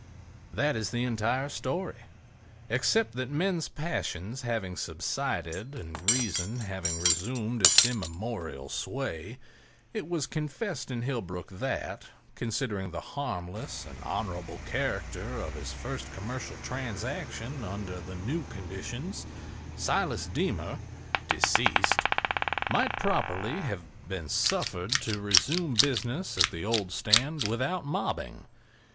That is the entire story—except that men's passions having subsided and reason having resumed its immemorial sway, it was confessed in Hillbrook that, considering the harmless and honorable character of his first commercial transaction under the new conditions, Silas Deemer, deceased, might properly have been suffered to resume business at the old stand without mobbing.